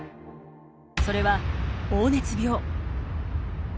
それは黄熱病。